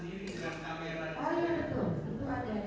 seperti apa saudara saksi spontan